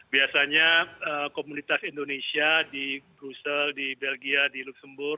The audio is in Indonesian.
biasanya komunitas indonesia di brussel di belgia di luxembourg